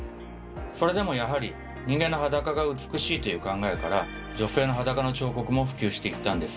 それでもやはり人間の裸が美しいという考えから女性の裸の彫刻も普及してきたんです。